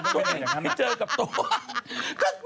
ตัวเองที่เจอกับตัว